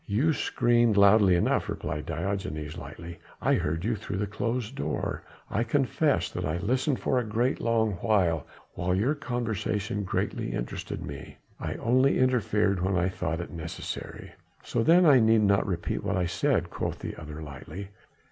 "You screamed loudly enough," replied Diogenes lightly. "I heard you through the closed door. I confess that I listened for quite a long while: your conversation greatly interested me. I only interfered when I thought it necessary." "So then I need not repeat what I said," quoth the other lightly.